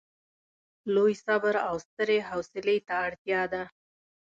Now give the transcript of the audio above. لوی صبر او سترې حوصلې ته اړتیا ده.